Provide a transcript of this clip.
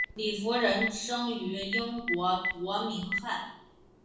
李福仁生于英国伯明翰。